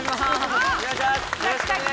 お願いします。